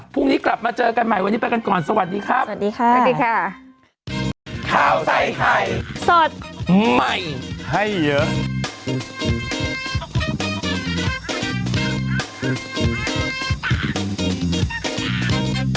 พรุ่งนี้กลับมาเจอกันใหม่วันนี้ไปกันก่อนสวัสดีครับ